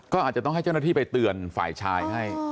ก็อาจจะต้องให้เจ้าหน้าที่ไปเตือนฝ่ายชายให้